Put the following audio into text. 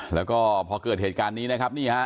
แล้วก็พอเกิดเหตุการณ์นี้นะครับนี่ฮะ